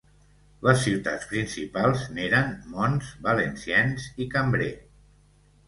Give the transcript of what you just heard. Les ciutats principals n'eren Mons, Valenciennes i Cambrai.